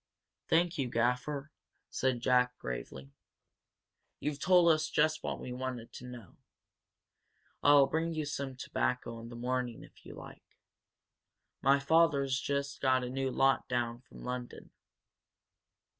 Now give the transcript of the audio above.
"Thank you, Gaffer," said Jack, gravely. "You've told us just what we wanted to know. I'll bring you some tobacco in the morning, if you like. My father's just got a new lot down from London."